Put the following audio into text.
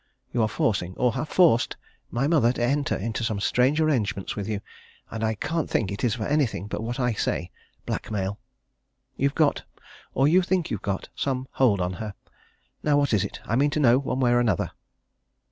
You are forcing or have forced my mother to enter into some strange arrangements with you, and I can't think it is for anything but what I say blackmail. You've got or you think you've got some hold on her. Now what is it? I mean to know, one way or another!"